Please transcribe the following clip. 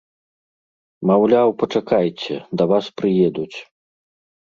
Маўляў, пачакайце, да вас прыедуць.